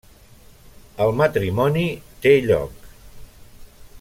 El matrimoni té lloc.